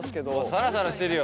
サラサラしてるよ。